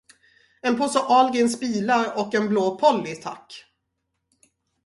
En påse Ahlgrens bilar och en blå Polly, tack!